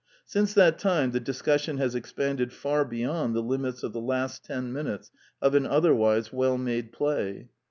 Since that time the discussion has expanded far beyond the limits of the last ten minutes of an otherwise " well made " play.